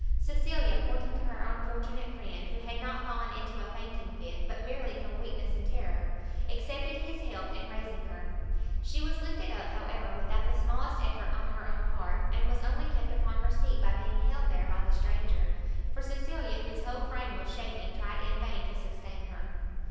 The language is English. Cecilia, pointing to her unfortunate friend, who had not fallen into a fainting fit, but merely from weakness and terror, accepted his help in raising her. She was lifted up, however, without the smallest effort on her own part, and was only kept upon her seat by being held there by the stranger, for Cecilia, whose whole frame was shaking, tried in vain to sustain her.